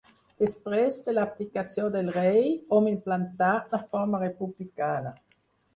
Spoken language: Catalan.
Després de l'abdicació del rei, hom implantà la forma republicana.